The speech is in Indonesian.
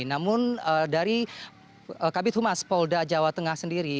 namun dari kabit humas polda jawa tengah sendiri